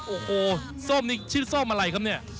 โอ้โหส้มนี่ชื่อส้มอะไรครับเนี่ย